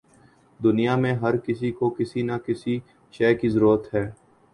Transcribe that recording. دنیا میں ہر کسی کو کسی نہ کسی شے کی ضرورت ہے۔